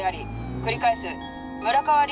繰り返す村川林